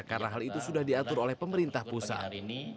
karena hal itu sudah diatur oleh pemerintah pusat